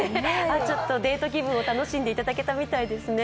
デート気分を楽しんでいただけたみたいですね。